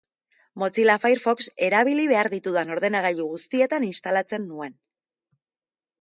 Mozilla Firefox erabili behar ditudan ordenagailu guztietan instalatzen nuen.